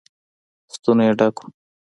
ستونی يې ډک و.